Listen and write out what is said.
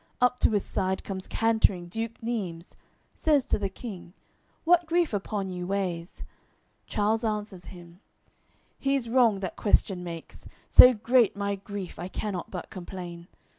Up to his side comes cantering Duke Neimes, Says to the King: "What grief upon you weighs?" Charles answers him: "He's wrong that question makes. So great my grief I cannot but complain.